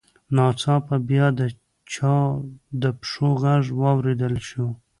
ناڅاپه بیا د چا د پښو غږ واورېدل شو